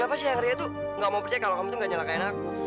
kenapa sih eyang ria tuh nggak mau percaya kalau kamu nggak nyalakan aku